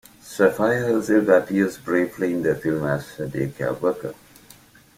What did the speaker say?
Sapphire herself appears briefly in the film as a daycare worker.